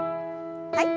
はい。